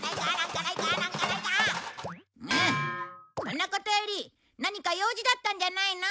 そんなことより何か用事だったんじゃないの？